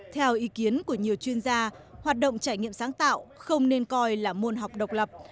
theo ý kiến của nhiều chuyên gia hoạt động trải nghiệm sáng tạo không nên coi là môn học độc lập